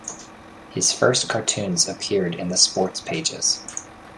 His first cartoons appeared in the sports pages.